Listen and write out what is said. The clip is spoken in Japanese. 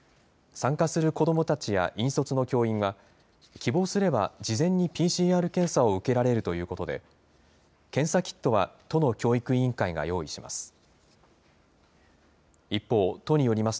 参加する子どもたちや引率の教員は、希望すれば事前にＰＣＲ検査を受けられるということで、検査キットは都の教育委員会が用意します。